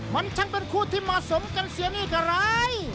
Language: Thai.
มันช่างเป็นคู่ที่มาสมกันเสียหนี้ไขล้